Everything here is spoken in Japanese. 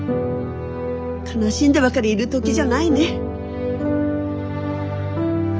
悲しんでばかりいる時じゃないね。